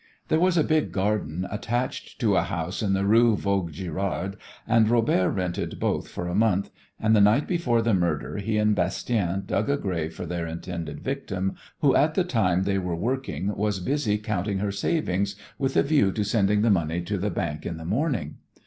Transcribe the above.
There was a big garden attached to a house in the Rue Vaugirard, and Robert rented both for a month, and the night before the murder he and Bastien dug a grave for their intended victim, who at the time they were working was busy counting her savings with a view to sending the money to the bank in the morning.